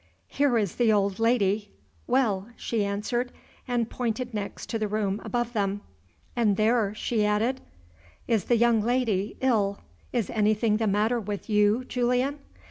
"Here is the old lady, well," she answered and pointed next to the room above them. "And there," she added, "is the young lady, ill. Is anything the matter with you, Julian?"